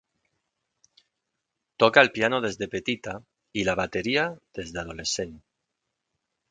Toca el piano des de petita i la bateria des d'adolescent.